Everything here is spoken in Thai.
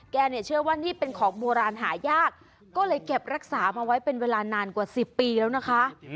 เนี่ยเชื่อว่านี่เป็นของโบราณหายากก็เลยเก็บรักษามาไว้เป็นเวลานานกว่า๑๐ปีแล้วนะคะ